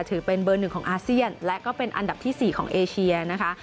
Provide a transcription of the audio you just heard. ถือเป็นเบอร์หนึ่งของอาเซียนและก็เป็นอันดับที่๔ของเอเชียนะคะ